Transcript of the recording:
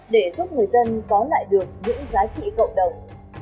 để giúp người dân có lại được những giá trị cộng đồng